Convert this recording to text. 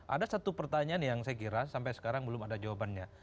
ada satu pertanyaan yang saya kira sampai sekarang belum ada jawabannya